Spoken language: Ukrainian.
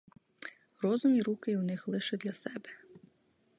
Розум і руки у них лише для себе.